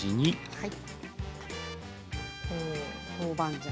はい。